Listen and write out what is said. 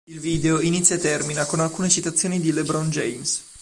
Il video inizia e termina con alcune citazioni di LeBron James.